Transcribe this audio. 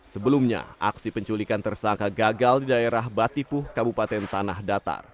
sebelumnya aksi penculikan tersangka gagal di daerah batipuh kabupaten tanah datar